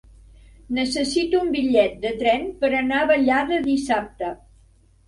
Necessito un bitllet de tren per anar a Vallada dissabte.